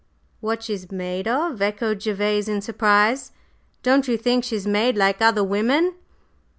"What she's made of?" echoed Gervase in surprise. "Don't you think she's made like other women?"